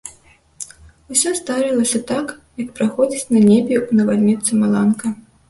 Усё здарылася так, як праходзіць на небе ў навальніцу маланка.